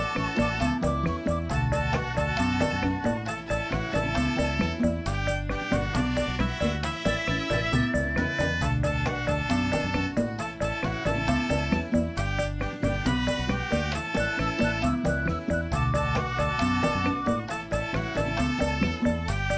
kepat sebank upsetan aku